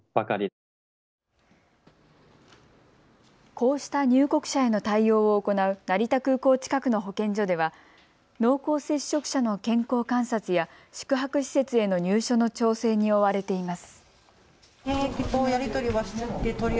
こうした入国者への対応を行う成田空港近くの保健所では濃厚接触者の健康観察や宿泊施設への入所の調整に追われています。